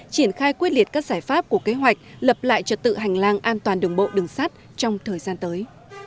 triển khai quyết liệt các giải pháp của kế hoạch lập lại trật tự hành lang an toàn đường bộ đường sát trong thời gian tới